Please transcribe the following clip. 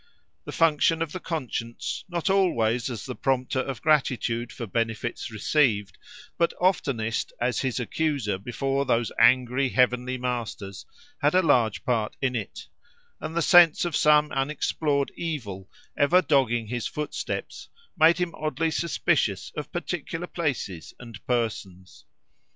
The function of the conscience, not always as the prompter of gratitude for benefits received, but oftenest as his accuser before those angry heavenly masters, had a large part in it; and the sense of some unexplored evil, ever dogging his footsteps, made him oddly suspicious of particular places and persons.